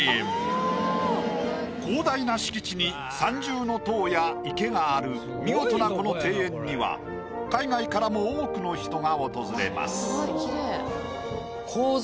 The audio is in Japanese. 広大な敷地に三重塔や池がある見事なこの庭園には海外からも多くの人が訪れます。